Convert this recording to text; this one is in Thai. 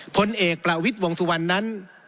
ผลเอกประวิทย์วงสุวรรณนั้น